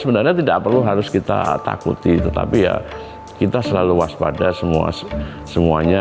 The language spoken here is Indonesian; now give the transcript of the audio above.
sebenarnya tidak perlu harus kita takuti tetapi ya kita selalu waspada semua semuanya